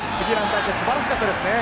素晴らしかったですね。